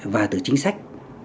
và từ chính sách